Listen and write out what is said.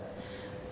apa yang dilakukan